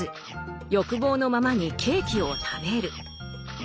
欲望のままにケーキを食べる。